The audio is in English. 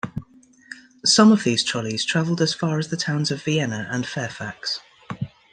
Some of these trolleys traveled as far as the towns of Vienna and Fairfax.